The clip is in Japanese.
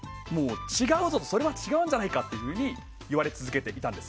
それは違うんじゃないかといわれ続けていたんです。